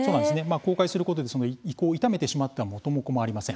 公開することで遺構を傷めてしまっては元も子もありません。